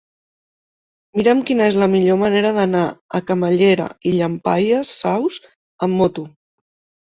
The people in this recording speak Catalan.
Mira'm quina és la millor manera d'anar a Camallera i Llampaies Saus amb moto.